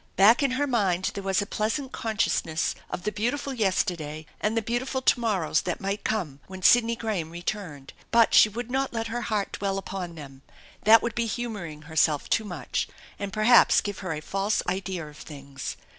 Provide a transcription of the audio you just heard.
Back in her mind there was a pleasant consciousness of the beautiful yesterday, and the beautiful to morrows that might come when Sidney Graham returned, but she would not let her heart dwell upon them; that would be humoring herself too much, and perhaps give her a false idea of things.